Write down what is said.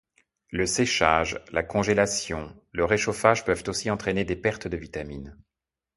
Le séchage, la congélation, le réchauffage peuvent aussi entrainer des pertes de vitamine.